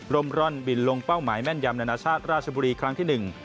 ร่อนบินลงเป้าหมายแม่นยำนานาชาติราชบุรีครั้งที่หนึ่ง